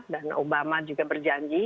dan obama juga berjanji